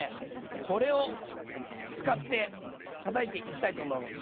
これを使ってたたいていきたいと思います。